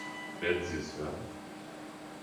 Werden Sie es hören?